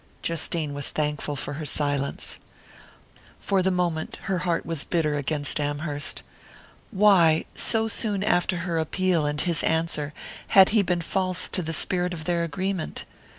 Justine was thankful for her silence. For the moment her heart was bitter against Amherst. Why, so soon after her appeal and his answer, had he been false to the spirit of their agreement?